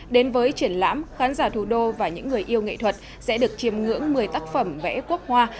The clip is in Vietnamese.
đến với triển lãm khán giả thủ đô và những người yêu nghệ thuật sẽ được chìm ngưỡng một mươi tác phẩm vẽ quốc hoa